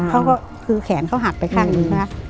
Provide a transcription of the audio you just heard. เขาก็คือแขนเขาหักไปข้างนี้